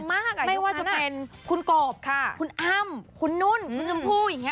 ไม่ว่าจะเป็นคุณกบคุณอ้ำคุณนุ่นคุณชมพู่อย่างนี้